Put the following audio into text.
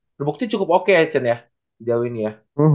sebuah bukti cukup oke ya chen ya di jauhin ya